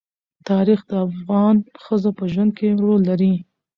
تاریخ د افغان ښځو په ژوند کې رول لري.